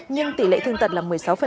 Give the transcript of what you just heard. nhưng tỷ lệ thương tật là một mươi sáu